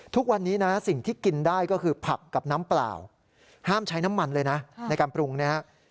ทุกวันนี้นะสิ่งที่กินได้ก็คือผักกับน้ำเปล่าห้ามใช้น้ำมันเลยนะในการปรุงนะครับ